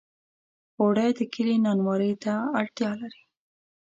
اوړه د کلي نانوایۍ ته اړتیا لري